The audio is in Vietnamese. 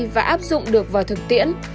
và áp dụng được vào thực tiễn